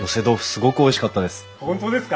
すごくおいしかったです。